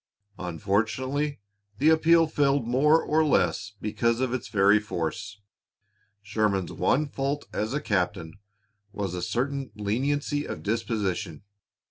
Unfortunately, the appeal failed more or less because of its very force. Sherman's one fault as a captain was a certain leniency of disposition.